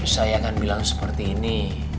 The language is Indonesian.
saya akan bilang seperti ini